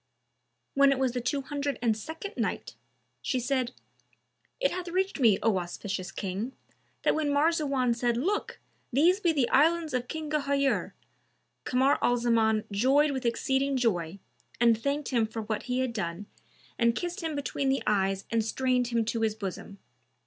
When it was the Two Hundred and Second Night, She said, It hath reached me, O auspicious King, that when Marzawan said "Look! these be the Islands of King Ghayur;" Kamar al Zaman joyed with exceeding joy and thanked him for what he had done and kissed him between the eyes and strained him to his bosom.